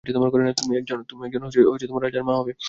তুমি একজন রাজার মা হবে!